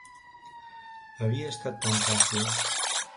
Havia estat tan fàcil.